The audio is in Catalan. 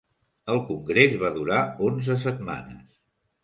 El congrés va durar onze setmanes.